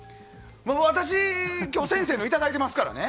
私、今日先生のいただいていますからね。